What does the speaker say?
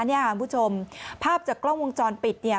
คุณผู้ชมภาพจากกล้องวงจรปิดเนี่ย